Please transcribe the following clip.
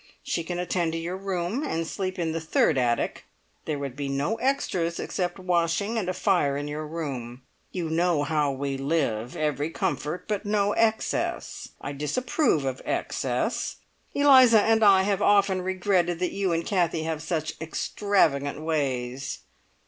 She can attend to your room, and sleep in the third attic. There would be no extras except washing, and a fire in your room. You know how we live; every comfort, but no excess. I disapprove of excess. Eliza and I have often regretted that you and Kathie have such extravagant ways.